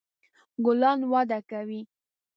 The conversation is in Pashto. ګلان وده کوي